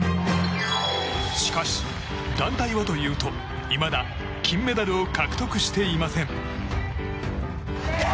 しかし、団体はというといまだ金メダルを獲得していません。